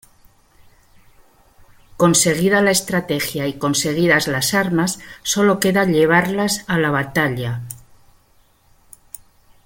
Conseguida la estrategia, y conseguidas las armas, sólo queda llevarlas a la batalla.